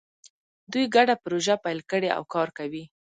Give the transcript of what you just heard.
دوی ګډه پروژه پیل کړې او کار کوي